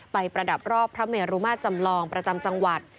ประดับรอบพระเมรุมาตรจำลองประจำจังหวัด